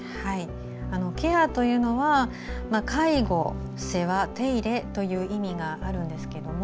ケアというのは介護、世話、手入れという意味があるんですけれども。